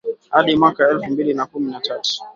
Hadi mwaka elfu mbili na kumi na tatu